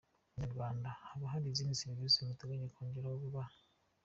Inyarwanda: Haba hari izindi serivisi muteganya kwongeraho vuba ha?.